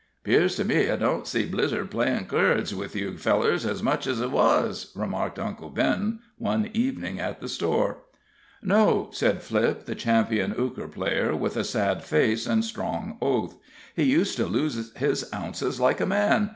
"'Pears to me I don't see Blizzer playin' keerds with you fellers ez much ez he wuz," remarked Uncle Ben one evening at the store. "No," said Flipp, the champion euchre player, with a sad face and a strong oath. "He used to lose his ounces like a man.